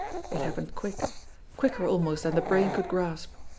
It happened quick quicker almost than the brain could grasp.